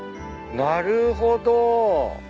なるほど。